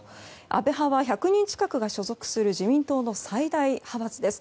安倍派は１００人近くが所属する自民党の最大派閥です。